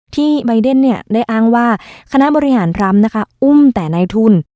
ใบเดนได้อ้างว่าคณะบริหารทรัมป์นะคะอุ้มแต่ในทุน